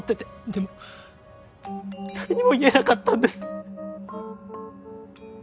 でも誰にも言えなかったんです。